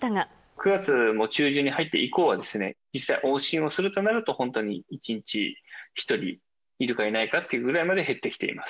９月も中旬に入って以降はですね、実際、往診をするとなると、１日１人いるかいないかっていうぐらいまで減ってきています。